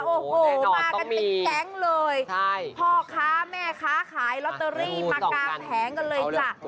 โอ้โหมากันเป็นแก๊งเลยพ่อค้าแม่ค้าขายลอตเตอรี่มากางแผงกันเลยจ้ะ